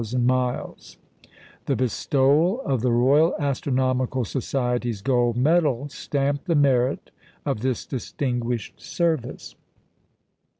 The bestowal of the Royal Astronomical Society's gold medal stamped the merit of this distinguished service.